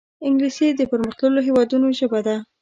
انګلیسي د پرمختللو هېوادونو ژبه ده